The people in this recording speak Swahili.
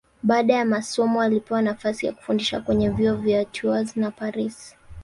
Baada ya masomo alipewa nafasi ya kufundisha kwenye vyuo vya Tours na Paris.